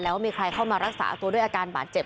แล้วมีใครเข้ามารักษาตัวด้วยอาการบาดเจ็บ